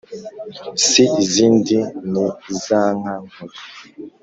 si izindi ni za nka nkuru,